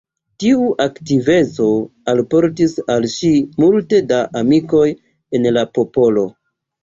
Tiu aktiveco alportis al ŝi multe da amikoj en la popolo.